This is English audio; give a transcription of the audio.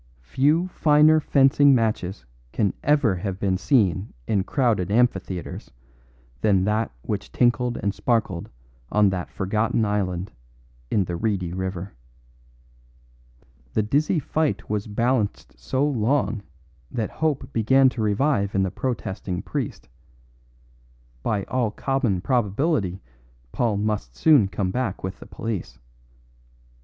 Few finer fencing matches can ever have been seen in crowded amphitheatres than that which tinkled and sparkled on that forgotten island in the reedy river. The dizzy fight was balanced so long that hope began to revive in the protesting priest; by all common probability Paul must soon come back with the police.